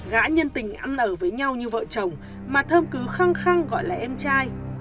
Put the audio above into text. gã nhân tình ăn ở với nhau như vợ chồng mà thơm cứ khăng khăng gọi là em trai